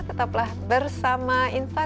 tetaplah bersama infa